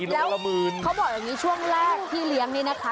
แล้วเขาบอกอย่างนี้ช่วงแรกที่เลี้ยงนี่นะคะ